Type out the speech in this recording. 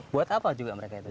buat apa juga mereka itu